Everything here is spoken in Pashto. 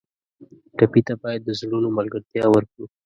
ټپي ته باید د زړونو ملګرتیا ورکړو.